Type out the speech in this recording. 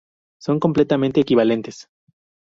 Son completamente equivalentes.